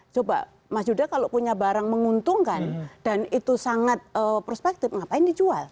coba mas yuda kalau punya barang menguntungkan dan itu sangat prospektif ngapain dijual